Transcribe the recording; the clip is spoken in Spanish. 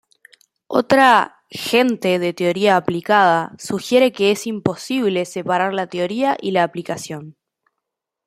Otra "gente de teoría aplicada" sugiere que es imposible separar teoría y aplicación.